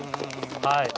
はい。